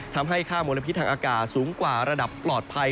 ทำให้ค่ามลพิษทางอากาศสูงกว่าระดับปลอดภัย